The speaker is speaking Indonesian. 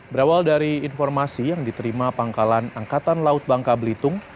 berawal dari informasi yang diterima pangkalan angkatan laut bangka belitung